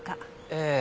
ええ。